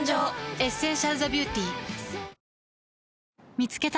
「エッセンシャルザビューティ」見つけた。